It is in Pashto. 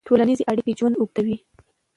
ټولنیزې اړیکې ژوند اوږدوي.